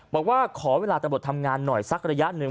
บอกว่าขอเวลาตำรวจทำงานหน่อยสักระยะหนึ่ง